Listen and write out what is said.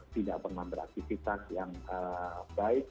tidak pernah beraktivitas yang baik